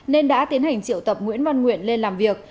nên đã tiến hành triệu tập nguyễn văn nguyện lên làm việc